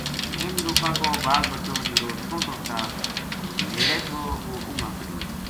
انھ لوکاں کو بال بچو جہڑو شونٹر تا نیڑے تھو وہ اُنگاں کڈھیو